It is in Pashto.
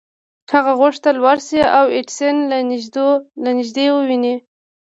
هغه غوښتل ورشي او ایډېسن له نږدې وويني.